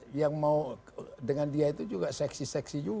iya artinya yang mau dengan dia itu juga seksi seksi gitu loh